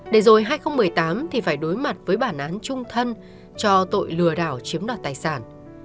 để rồi hai nghìn một mươi tám thì phải đối mặt với bản án trung thân cho tội lừa đảo chiếm đoạt tài sản